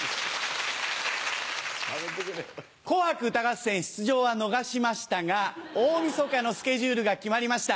紅白歌合戦出場は逃しましたが、大みそかのスケジュールが決まりました。